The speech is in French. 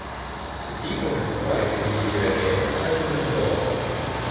Ceci correspond avec le début de la guerre avec le Novgorod.